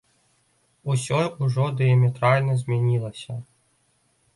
Усё ўжо дыяметральна змянілася.